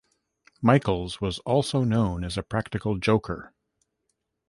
Michels was also known as a practical joker.